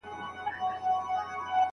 هغه د خلکو ملاتړ ترلاسه کړ.